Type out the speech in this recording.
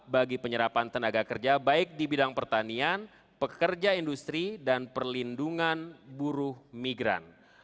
bagi penyerapan tenaga kerja baik di bidang pertanian pekerja industri dan perlindungan buruh migran